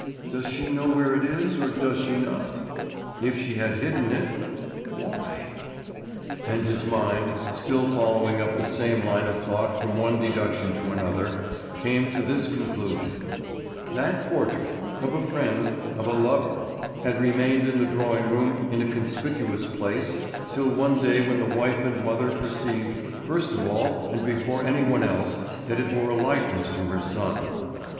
Does she know where it is, or does she not? If she had hidden it—why?" And his mind, still following up the same line of thought from one deduction to another, came to this conclusion: That portrait—of a friend, of a lover, had remained in the drawing room in a conspicuous place, till one day when the wife and mother perceived, first of all and before any one else, that it bore a likeness to her son.